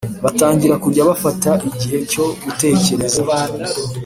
batangira kujya bafata igihe cyo gutekereza